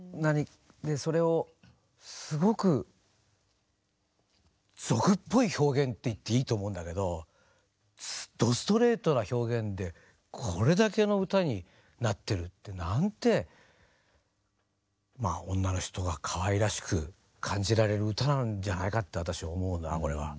それをすごく俗っぽい表現って言っていいと思うんだけどどストレートな表現でこれだけの歌になってるってなんてまあ女の人がかわいらしく感じられる歌なんじゃないかって私は思うなこれは。